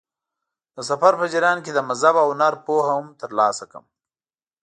د سفر په جریان کې د مذهب او هنر پوهه هم ترلاسه کړم.